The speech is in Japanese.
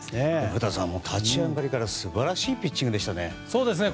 古田さん、立ち上がりから素晴らしいピッチングでしたね。